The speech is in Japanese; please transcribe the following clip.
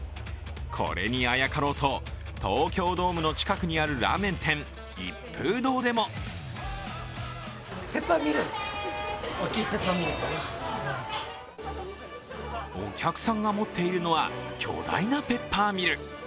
これにあやかろうと東京ドームの近くにあるラーメン店・一風堂でもお客さんが持っているのは巨大なペッパーミル。